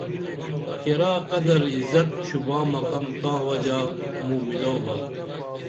کیرا قدر عزت شوباں مقام تاں وجا موں مِلاو با